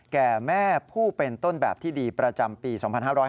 แก่แม่ผู้เป็นต้นแบบที่ดีประจำปี๒๕๕๙